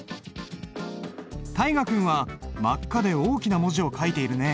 大河君は真っ赤で大きな文字を書いているね。